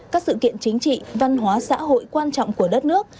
các sự kiện chính trị văn hóa xã hội quan trọng của đất nước